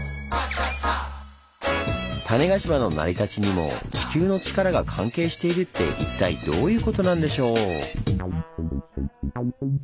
種子島の成り立ちにも地球のチカラが関係しているって一体どういうことなんでしょう？